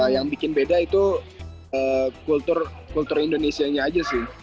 yang bikin beda itu kultur indonesia nya aja sih